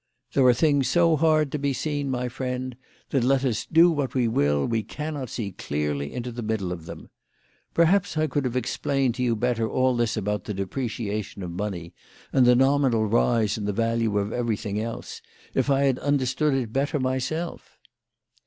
" There are things so hard to be seen, my friend, that let us do what we will we cannot see clearly into the middle of them. Perhaps I could have explained to you better all this about the depreciation of money, and the nominal rise in the value of everything else, if [ had understood it better myself."